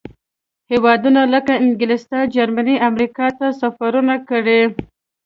هېوادونو لکه انګلستان، جرمني، امریکا ته سفرونه کړي.